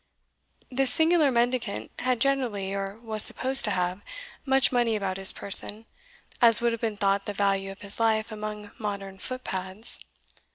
This singular mendicant had generally, or was supposed to have, much money about his person, as would have been thought the value of his life among modern foot pads.